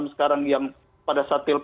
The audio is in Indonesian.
sekarang yang pada saat